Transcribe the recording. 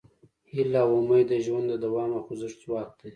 هیله او امید د ژوند د دوام او خوځښت ځواک دی.